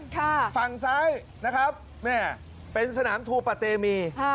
ค่ะฝั่งซ้ายนะครับนี่เป็นสนามทูปะเตมี